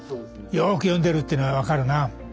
よく読んでるっていうのは分かるな。